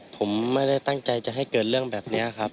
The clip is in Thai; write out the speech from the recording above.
ผมไม่ได้ตั้งใจจะให้เกิดเรื่องแบบนี้ครับ